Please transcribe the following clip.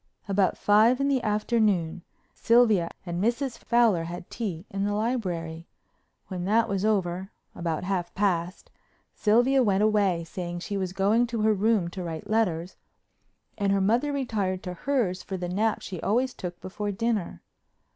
About five in the afternoon Sylvia and Mrs. Fowler had tea in the library. When that was over—about half past—Sylvia went away, saying she was going to her room to write letters, and her mother retired to hers for the nap she always took before dinner.